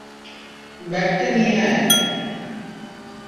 ব্যাগটা নিয়ে আয়!